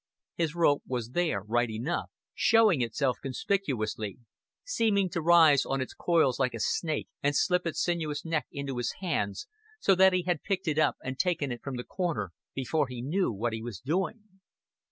His rope was there right enough, showing itself conspicuously, seeming to rise on its coils like a snake and slip its sinuous neck into his hands, so that he had picked it up and taken it from the corner before he knew what he was doing.